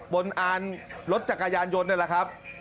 บนอาร์นรถจักรยานยนต์นั่นแหละครับ